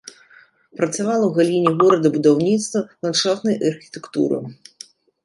Працавала ў галіне горадабудаўніцтва, ландшафтнай архітэктуры.